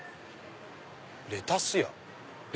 「レタスや」。